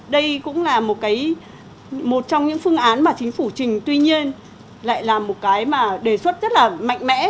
đây cũng là một cái phương án mà chính phủ trình tuy nhiên lại là một cái mà đề xuất rất là mạnh mẽ